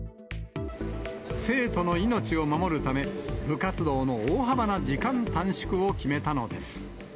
生徒の命を守るため、部活動の大幅な時間短縮を決めたのです。